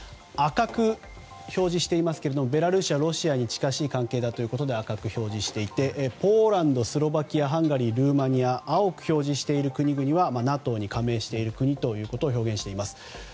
赤く表示していますがベラルーシはロシアに近しい関係だということで赤く表示していてポーランド、スロバキアハンガリー、ルーマニアなど青く表示している国々はＮＡＴＯに加盟している国です。